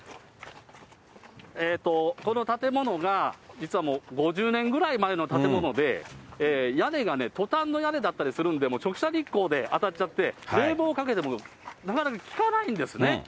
この建物が実はもう、５０年ぐらい前の建物で、屋根がトタンの屋根だったりするんで、直射日光で当たっちゃって、冷房をかけてもなかなか利かないんですね。